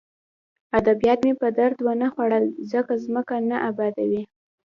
ادبیات مې په درد ونه خوړل ځکه ځمکه نه ابادوي